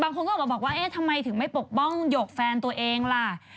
บางคนก็บอกว่าทำไมถึงไม่ปกป้องหยกแฟนตัวเองล่ะ